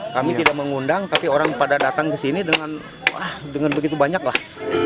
kami tidak mengundang tapi orang pada datang ke sini dengan wah dengan begitu banyak lah